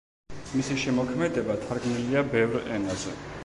მისი შემოქმედება თარგმნილია ბევრ ენაზე.